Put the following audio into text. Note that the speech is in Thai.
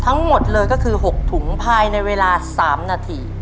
ทั้งหมดเลยก็คือ๖ถุงภายในเวลา๓นาที